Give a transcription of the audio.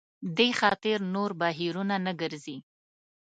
دې خاطر نور بهیرونه نه ګرځي.